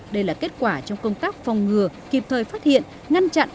đây là kết quả trong công tác phòng ngừa kịp thời phát hiện ngăn chặn